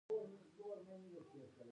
د پښتو ژبې لپاره کار کول یوه ملي مبارزه ده.